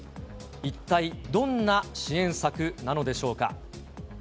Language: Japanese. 一体どんな支援策なのでしょうか。